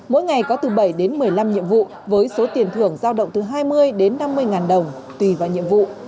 mỗi ngày có từ bảy đến một mươi năm nhiệm vụ với số tiền thưởng giao động từ hai mươi đến năm mươi ngàn đồng tùy vào nhiệm vụ